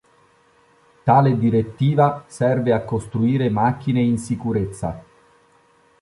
Tale direttiva serve a costruire macchine in sicurezza.